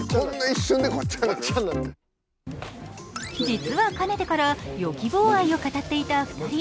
実はかねてからヨギボー愛を語っていた２人。